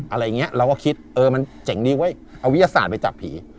อะไรอย่างนี้เราก็คิดเออมันเจ๋งดีเว้ยเอาวิทยาศาสตร์ไปจับผี